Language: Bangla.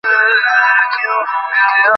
চলো একসাথে বাড়ি যাই।